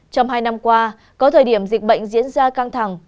trong hai năm qua có thời điểm dịch bệnh diễn ra căng thẳng